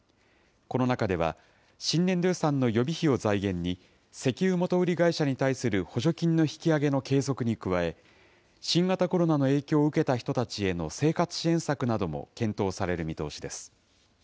この中では、新年度予算の予備費を財源に、石油元売り会社に対する補助金の引き上げの継続に加え、新型コロナの影響を受けた人たちへの生活支援策なども検討される見通しです。